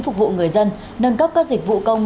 phục vụ người dân nâng cấp các dịch vụ công